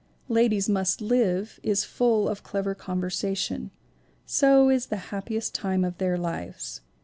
Ladies Must Live is full of clever conversation; so is The Happiest Time of Their Lives.